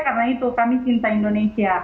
karena itu kami cinta indonesia